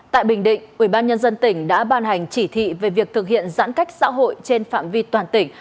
tại bình định ubnd tỉnh đã ban hành chỉ thị về việc thực hiện giãn cách xã hội trên phạm vi toàn tỉnh